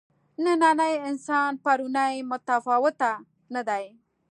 نننی انسان پروني متفاوته نه دي.